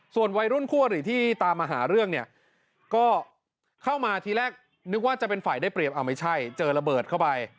ส่วนวัยรุ่นคู่อริที่ตามมาหาเรื่องเนี่ยก็เข้ามาทีแรกนึกว่าจะเป็นฝ่ายได้เปรียบเอาไม่ใช่เจอระเบิดเข้าไป